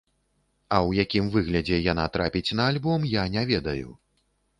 А ў якім выглядзе яна трапіць на альбом, я не ведаю.